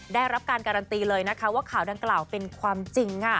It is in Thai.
ได้รับการการันตีเลยนะคะว่าข่าวดังกล่าวเป็นความจริง